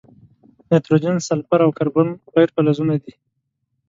نایتروجن، سلفر، او کاربن غیر فلزونه دي.